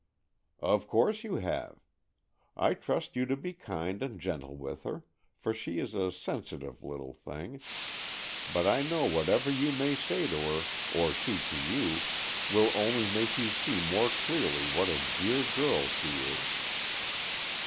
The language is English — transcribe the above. "Of course you have. I trust you to be kind and gentle with her, for she is a sensitive little thing; but I know whatever you may say to her, or she to you, will only make you see more clearly what a dear girl she is."